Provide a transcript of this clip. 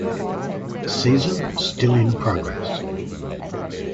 Season still in progress.